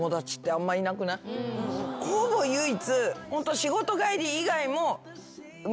ほぼ唯一。